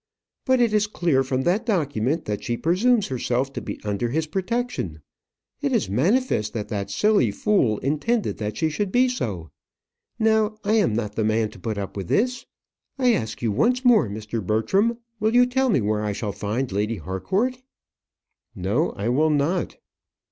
But it is clear, from that document, that she presumes herself to be under his protection. It is manifest that that silly fool intended that she should be so. Now I am not the man to put up with this. I ask you once more, Mr. Bertram, will you tell me where I shall find Lady Harcourt?" "No, I will not."